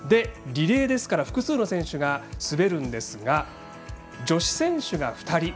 リレーですから複数の選手が滑るんですが女子選手が２人。